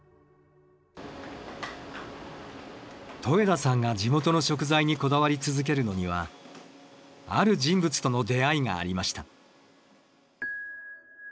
戸枝さんが地元の食材にこだわり続けるのにはある人物との出会いがありました。